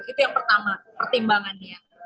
itu yang pertama pertimbangannya